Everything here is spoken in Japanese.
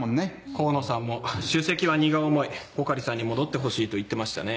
河野さんも「首席は荷が重い穂刈さんに戻ってほしい」と言ってましたね。